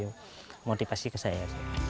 itu motivasi saya